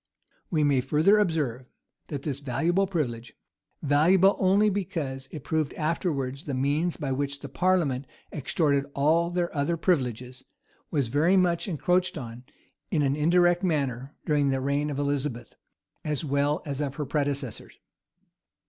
We may further observe that this valuable privilege, valuable only because it proved afterwards the means by which the parliament extorted all their other privileges, was very much encroached on, in an indirect manner, during the reign of Elizabeth, as well as of her predecessors.